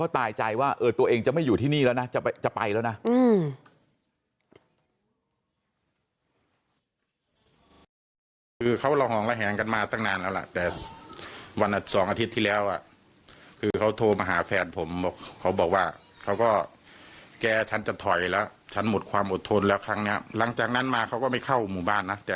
ตายใจว่าตัวเองจะไม่อยู่ที่นี่แล้วนะจะไปแล้วนะ